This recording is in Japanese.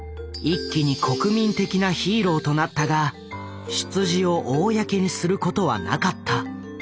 一気に国民的なヒーローとなったが出自を公にすることはなかった。